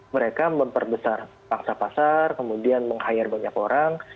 mereka memperbesar paksa pasar kemudian meng hire banyak orang